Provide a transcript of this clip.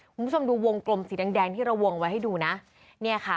คุณผู้ชมดูวงกลมสีแดงแดงที่เราวงไว้ให้ดูนะเนี่ยค่ะ